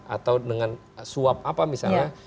atau dengan suap apa misalnya